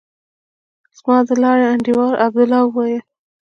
زما د لارې انډيوال عبدالله وويل.